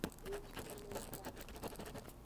Eshilekpa.